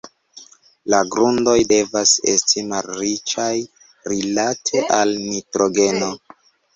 La grundoj devas esti malriĉaj rilate al nitrogeno.